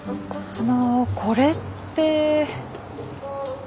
あのこれって。